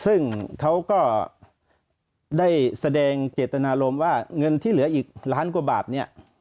ซึ่งเขาก็ได้แสดงเจตนารมณ์ว่าเงินที่เหลืออีกล้านกว่าบาทเนี่ย